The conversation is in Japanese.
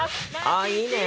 あいいね！